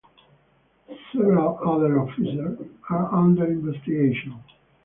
Several other officers are under investigation.